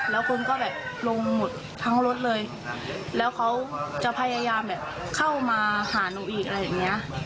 แล้วคุณก็แบบลงหมดทั้งรถเลยแล้วเขาจะพยายามแบบเข้ามาหาหนูอีกอะไรอย่างเงี้ย